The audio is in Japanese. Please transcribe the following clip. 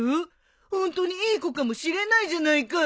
ホントにいい子かもしれないじゃないか。